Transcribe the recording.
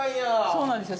そうなんですよ。